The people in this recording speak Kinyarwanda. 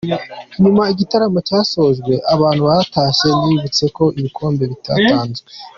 Nyuma igitaramo cyasojwe abantu batashye bibutse ko ibikombe bitatanzwe.